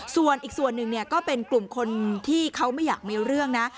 ส่วนอีกส่วนหนึ่งเนี่ยก็เป็นกลุ่มคนที่เขาไม่อยากมีเรื่องนะ